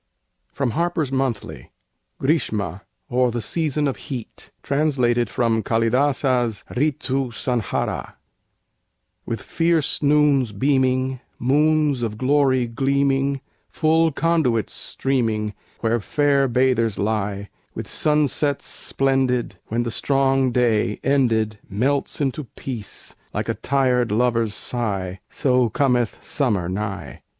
From Harper's Monthly, copyright 1886, by Harper & Brothers GRISHMA; OR THE SEASON OF HEAT Translated from Kalidasa's 'Ritu Sanhâra' With fierce noons beaming, moons of glory gleaming, Full conduits streaming, where fair bathers lie, With sunsets splendid, when the strong day, ended, Melts into peace, like a tired lover's sigh So cometh summer nigh.